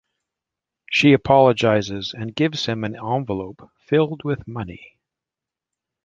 She apologizes and gives him an envelope filled with money.